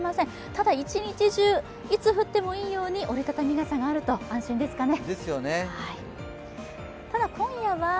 ただ一日中、いつ降ってもいいように折り畳み傘があると安心ですかね。